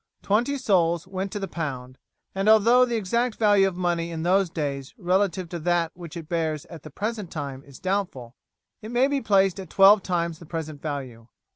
20 sols went to the pound, and although the exact value of money in those days relative to that which it bears at the present time is doubtful, it may be placed at twelve times the present value.